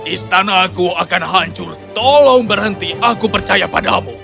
istana aku akan hancur tolong berhenti aku percaya padamu